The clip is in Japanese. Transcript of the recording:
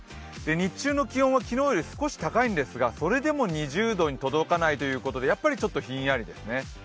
日中の気温は昨日より少し高いんですがそれでも２０度に届かないということで、やっぱりちょっとひんやりですね。